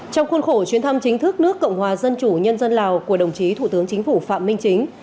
trong khuôn khổ chuyến thăm chính thức nước cộng hòa dân chủ nhân dân lào của đồng chí thủ tướng chính phủ phạm minh chính